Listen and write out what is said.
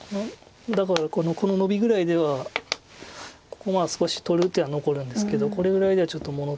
だからこのノビぐらいではここまだ少し取る手は残るんですけどこれぐらいではちょっと物足りないですし